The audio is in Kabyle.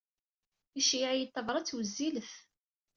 Iceyyeɛ-iyi-d tabṛat wezzilet.